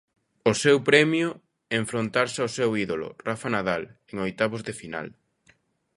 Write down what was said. O seu premio, enfrontarse ao seu ídolo, Rafa Nadal, en oitavos de final.